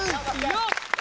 よっ！